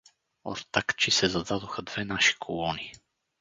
Ортакчи се зададоха две наши колони.